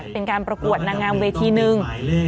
เป็นการประกวดนางงามเวทีนึง